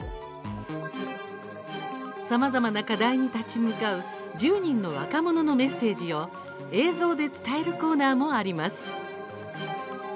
さまざまな課題に立ち向かう１０人の若者のメッセージを映像で伝えるコーナーもあります。